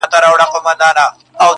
هغې ليونۍ بيا د غاړي هار مات کړی دی~